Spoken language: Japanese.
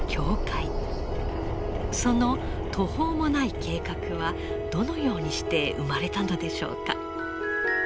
その途方もない計画はどのようにして生まれたのでしょうか。